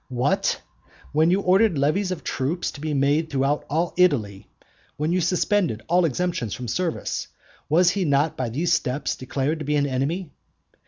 What? when you ordered levies of troops to be made throughout all Italy, when you suspended all exemptions from service, was he not by those steps declared to be an enemy?